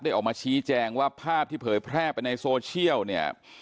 ออกมาชี้แจงว่าภาพที่เผยแพร่ไปในโซเชียลเนี่ย